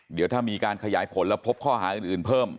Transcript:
เดี๋ยวถ้ามีการขยายผลแล้วพบข้อหาอื่นเพิ่ม